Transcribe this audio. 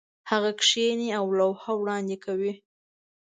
هغه کښېني او لوحه وړاندې کوي.